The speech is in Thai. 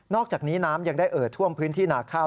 อกจากนี้น้ำยังได้เอ่อท่วมพื้นที่นาข้าว